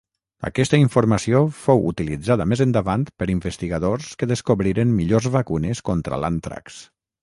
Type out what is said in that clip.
Aquesta informació fou utilitzada més endavant per investigadors que descobriren millors vacunes contra l'àntrax.